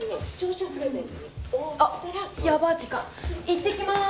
いってきます。